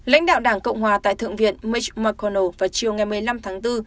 lãnh đạo đảng cộng hòa tại thượng viện mitch mcconnell vào chiều ngày một mươi năm tháng bốn